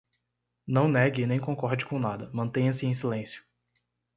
Não negue e nem concorde com nada, mantenha-se em silêncio